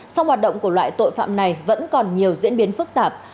song hoạt động của loại tội phạm này vẫn còn nhiều diễn biến phức tạp